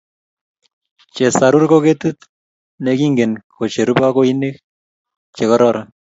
chesarur ko ketit ne kingen kocheruu baoni che kororon.